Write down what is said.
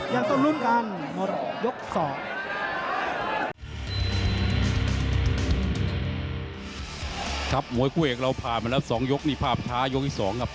ยังต้องลุ้นกันหมดยกสอ